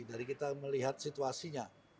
dari kita melihat situasinya